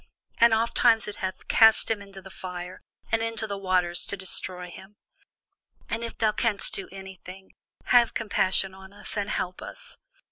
And ofttimes it hath cast him into the fire, and into the waters, to destroy him: but if thou canst do anything, have compassion on us, and help us.